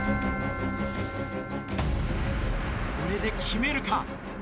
これで決めるか？